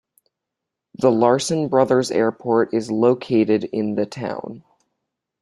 The Larson Brothers Airport is located in the town.